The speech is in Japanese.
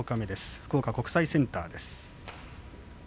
福岡国際センターです。